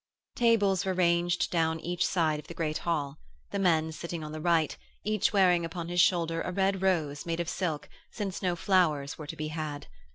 Tables were ranged down each side of the great hall, the men sitting on the right, each wearing upon his shoulder a red rose made of silk since no flowers were to be had.